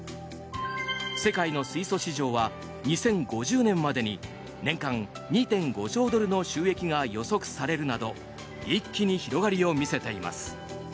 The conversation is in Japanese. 世界の水素市場は２０５０年までに年間２．５兆ドルの収益が予測されるなど一気に広がりを見せています。